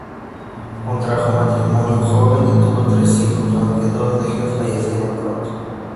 Contrajo matrimonio joven y tuvo tres hijos, aunque dos de ellos fallecieron pronto.